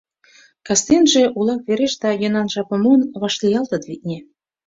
Кастенже, улак вереш да йӧнан жапым муын, вашлиялтыт, витне.